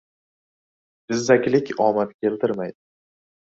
• Jizzakilik omad keltirmaydi.